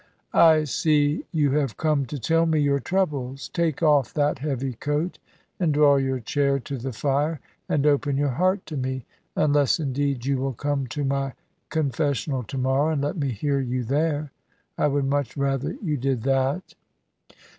"I see you have come to tell me your troubles. Take off that heavy coat and draw your chair to the fire, and open your heart to me, unless indeed you will come to my confessional to morrow and let me hear you there. I would much rather you did that."